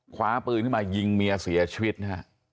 คว้าปืนขึ้นมายิงเมียเสียชีวิตนะฮะ